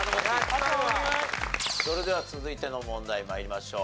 それでは続いての問題参りましょう。